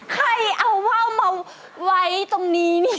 ใครเอาว่าวมาไว้ตรงนี้นี่